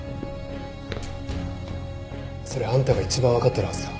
それはあんたが一番わかってるはずだ。